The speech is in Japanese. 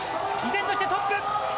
依然としてトップ。